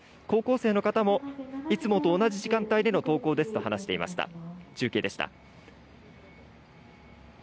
高校生の方もいつもと同じ時間帯での登校ですと話していました。